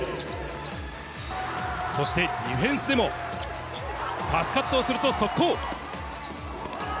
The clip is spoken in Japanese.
そしてディフェンスでもパスカットをすると速攻。